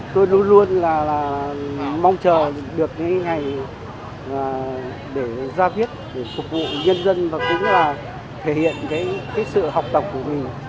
tôi luôn luôn là mong chờ được cái ngày để ra viết để phục vụ nhân dân và cũng là thể hiện cái sự học tập của mình